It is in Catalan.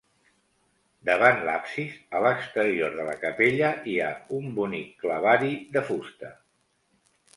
Davant l'absis, a l'exterior de la capella, hi ha un bonic clavari de fusta.